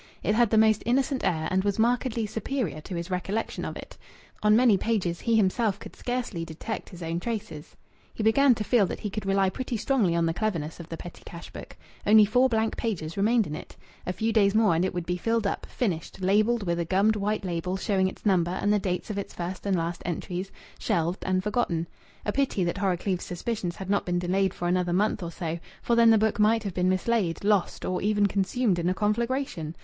It had the most innocent air, and was markedly superior to his recollection of it. On many pages he himself could scarcely detect his own traces. He began to feel that he could rely pretty strongly on the cleverness of the petty cash book. Only four blank pages remained in it. A few days more and it would be filled up, finished, labelled with a gummed white label showing its number and the dates of its first and last entries, shelved and forgotten. A pity that Horrocleave's suspicions had not been delayed for another month or so, for then the book might have been mislaid, lost, or even consumed in a conflagration!